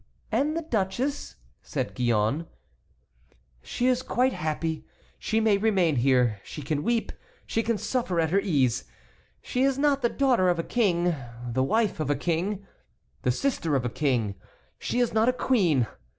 "And the duchess?" said Gillonne. "She is quite happy. She may remain here; she can weep; she can suffer at her ease. She is not the daughter of a king, the wife of a king, the sister of a king. She is not a queen.